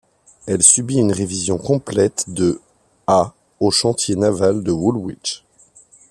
Elle subit une révision complète de à aux chantiers navals de Woolwich.